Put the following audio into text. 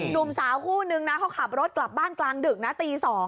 หนุ่มสาวคู่นึงนะเขาขับรถกลับบ้านกลางดึกนะตี๒